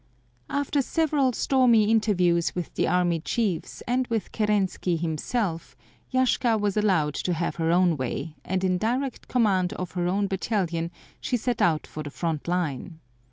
After several stormy interviews with the army chiefs and with Kerensky himself, Yashka was allowed to have her own way, and in direct command of her own battalion she set out for the front line.